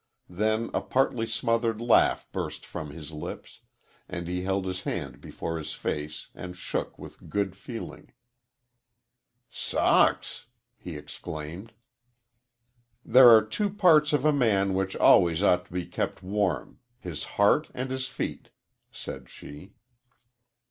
Then a partly smothered laugh burst from his lips, and he held his hand before his face and shook with good feeling. "S socks!" he exclaimed. "There are two parts of a man which always ought to be kep' warm his heart an' his feet," said she.